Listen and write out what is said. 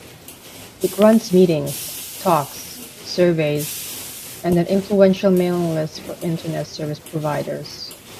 It runs meetings, talks, surveys, and an influential mailing list for Internet service providers.